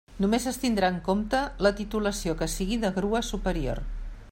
Només es tindrà en compte la titulació que sigui de grua superior.